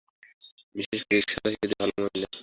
Mrs Peake সাদাসিধে ভাল মহিলা।